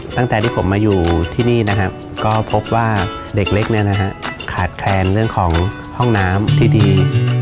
ตั้งแต่ที่ผมมาอยู่ที่นี่นะครับก็พบว่าเด็กเล็กเนี่ยนะฮะขาดแคลนเรื่องของห้องน้ำที่ดี